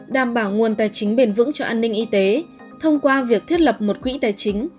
đảm bảo nguồn tài chính bền vững cho an ninh y tế thông qua việc thiết lập một quỹ tài chính